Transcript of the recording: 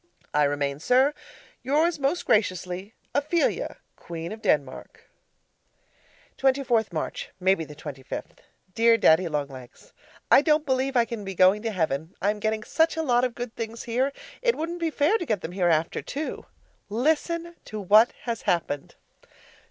I remain, sir, Yours most graciously, OPHELIA, Queen of Denmark. 24th March, maybe the 25th Dear Daddy Long Legs, I don't believe I can be going to Heaven I am getting such a lot of good things here; it wouldn't be fair to get them hereafter too. Listen to what has happened.